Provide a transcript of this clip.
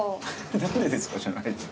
「何でですか」じゃないでしょ。